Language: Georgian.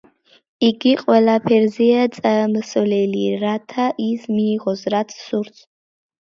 იგი ყველაფერზეა წამსვლელი, რათა ის მიიღოს, რაც სურს.